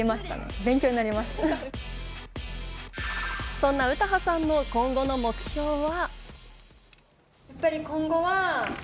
そんな詩羽さんの今後の目標は？